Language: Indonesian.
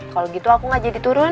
kalau gitu aku gak jadi turun